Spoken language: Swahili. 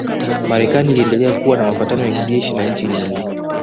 Marekani iliendelea kuwa na mapatano ya kijeshi na nchi nyingi